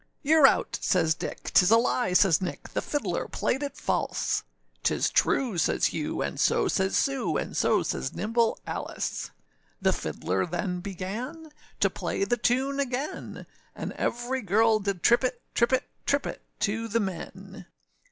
âYouâre out,â says Dick; ââTis a lie,â says Nick, âThe fiddler played it false;â ââTis true,â says Hugh, and so says Sue, And so says nimble Alice. The fiddler then began To play the tune again; And every girl did trip it, trip it, Trip it to the men.